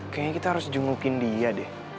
kayaknya kita harus jengukin dia deh